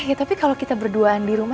eh tapi kalau kita berduaan di rumah